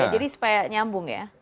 jadi supaya nyambung ya